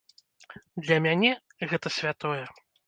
Для мяне гэта святое.